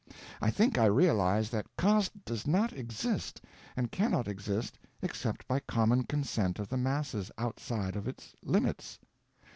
I think I realize that caste does not exist and cannot exist except by common consent of the masses outside of its limits.